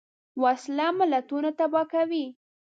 وسله ملتونه تباه کوي